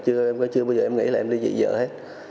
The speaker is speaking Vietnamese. chưa bao giờ em nghĩ là em ly dị vợ hết